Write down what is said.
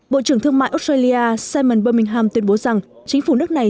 bộ trưởng thương mại australia simon birmingham tuyên bố rằng chính phủ nước này